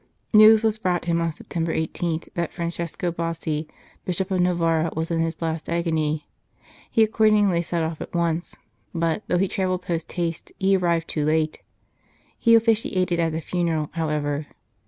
News was brought him on September 18 that Francesco Bossi, Bishop of Novara, was in his last agony. He accordingly set off at once, but, though he travelled post haste, he arrived too late. He officiated at the funeral, however.